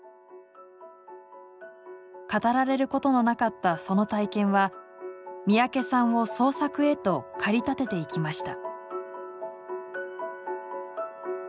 語られることのなかったその体験は三宅さんを創作へと駆り立てていきました。